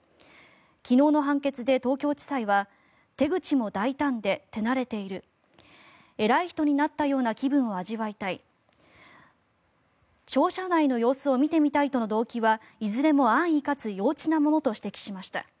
昨日の判決で、東京地裁は手口も大胆で手慣れている偉い人になったような気分を味わいたい庁舎内の様子を見てみたいとの動機はいずれも安易かつ幼稚なものと指摘しました。